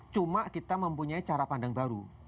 cuma kita mempunyai cara pandang baru